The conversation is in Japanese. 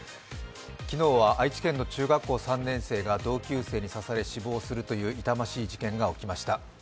昨日は愛知県の中学校３年生が同級生に刺され死亡するという痛ましい事件が起きました。